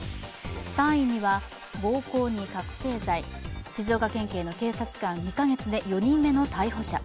３位には、暴行に覚醒剤静岡県警の警察官、２か月で４人目の逮捕者。